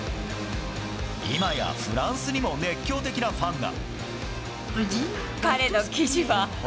いまやフランスにも熱狂的なファンが。